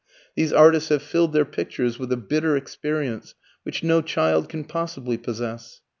These artists have filled their pictures with a bitter experience which no child can possibly possess.